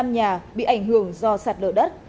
năm mươi năm nhà bị ảnh hưởng do sạt lở đất